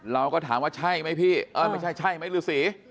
เราก็ถามว่าใช่ไหมพี่ไม่ใช่ใช่ไหมฤษี